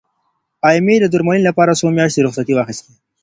ایمي د درملنې لپاره څو میاشتې رخصتي واخستې.